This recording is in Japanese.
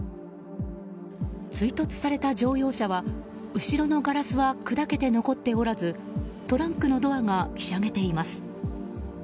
追突された乗用車は後ろのガラスは砕けて残っておらずトランクのドアがひしゃげています。